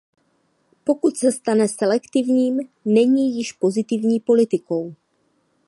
Pokud se stane selektivním, není již pozitivní politikou.